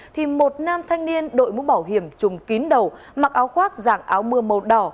thì một nam thanh niên đội mũ bảo hiểm chùm kín đầu mặc áo khoác dạng áo mưa màu đỏ